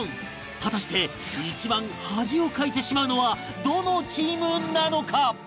果たして一番恥をかいてしまうのはどのチームなのか？